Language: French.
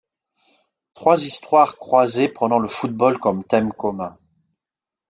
Trois histoires croisées prenant le football comme thème commun.